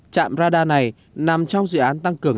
trạm radar này nằm trong dự án tăng cường